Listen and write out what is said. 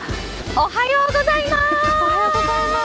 おはようございます。